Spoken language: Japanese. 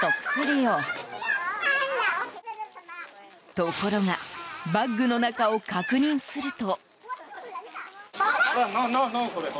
ところがバッグの中を確認すると。